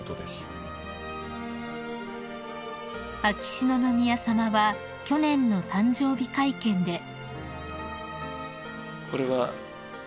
［秋篠宮さまは去年の誕生日会見で］